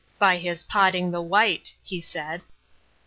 "By his potting the white," he said.